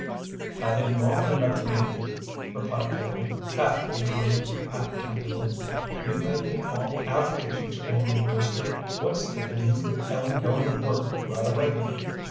"I didn't want another man," replied Fanny, half angrily, half tenderly. "You make me all out of patience, Andrew Brewster. What's the need of Ellen going to work right away?